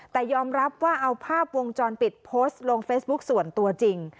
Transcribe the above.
แต่ยอมรับว่าเอาภาพวงจรปิดโพสต์ลงเฟซบุ๊คส่วนตัวจริง